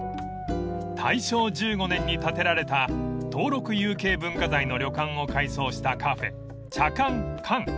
［大正１５年に建てられた登録有形文化財の旅館を改装したカフェ茶館閑］